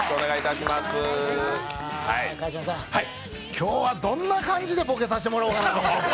川島さん、今日はどんな感じでぼけさせてもらおうかなと。